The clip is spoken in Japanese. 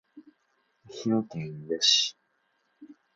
愛媛県伊予市